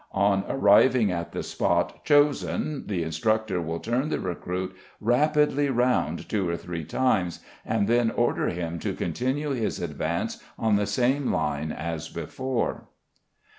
On arriving at the spot chosen the instructor will turn the recruit rapidly round two or three times, and then order him to continue his advance on the same line as before.